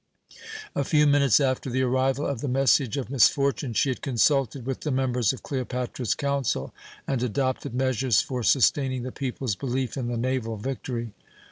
A few minutes after the arrival of the message of misfortune she had consulted with the members of Cleopatra's council, and adopted measures for sustaining the people's belief in the naval victory.